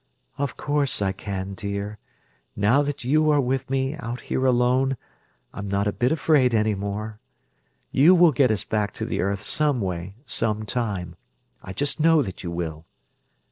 "Of course I can, dear. Now that you are with me, out here alone, I'm not a bit afraid any more. You will get us back to the earth some way, sometime; I just know that you will.